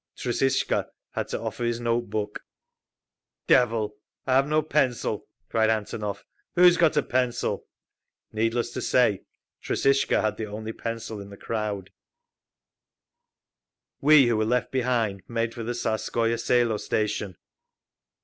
Trusishka had to offer his note book…. "Devil! I have no pencil!" cried Antonov. "Who's got a pencil?" Needless to say, Trusishka had the only pencil in the crowd…. We who were left behind made for the Tsarskoye Selo station.